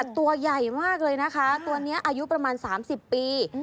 ตัวใหญ่มากเลยนะคะตัวนี้อายุประมาณ๓๐ปี